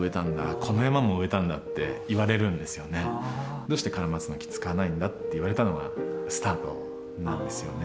「どうしてカラマツの木使わないんだ」って言われたのがスタートなんですよね。